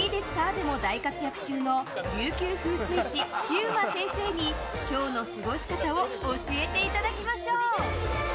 でも大活躍中の琉球風水志シウマ先生に今日の過ごし方を教えていただきましょう。